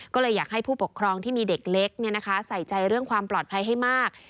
ก็เลยอยากให้ผู้ปกครองที่มีเด็กเล็กใส่ใจเรื่องความปลอดภัยให้มาก